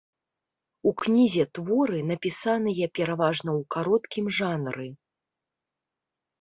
У кнізе творы, напісаныя пераважна ў кароткім жанры.